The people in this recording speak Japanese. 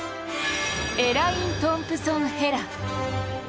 エライン・トンプソン・ヘラ。